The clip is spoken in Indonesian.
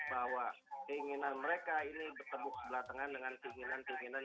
bahwa keinginan mereka ini bertemu sebelah tengah dengan keinginan keinginan